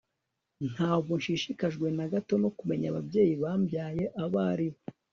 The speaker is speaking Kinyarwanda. ntabwo nshishikajwe na gato no kumenya ababyeyi bambyaye abo ari bo